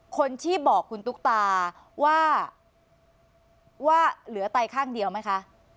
คนที่บอกคุณตุ๊กตาว่าเหลือไตข้างเดียวไหมคะ